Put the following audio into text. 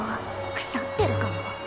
くさってるかも。